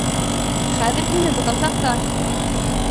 Хәҙер һине тотасаҡтар!